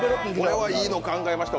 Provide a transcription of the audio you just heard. これは、いいの考えましたね！